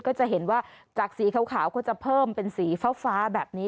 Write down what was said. ก็จะเห็นว่าจากสีขาวก็จะเพิ่มเป็นสีฟ้าแบบนี้